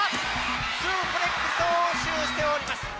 スープレックスを応酬しております